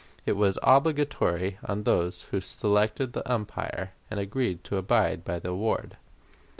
It was obligatory on those who selected the umpire and agreed to abide by the award.